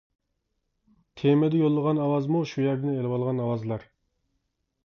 تېمىدا يوللىغان ئاۋازمۇ شۇ يەردىن ئېلىۋالغان ئاۋازلار.